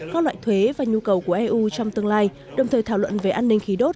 các loại thuế và nhu cầu của eu trong tương lai đồng thời thảo luận về an ninh khí đốt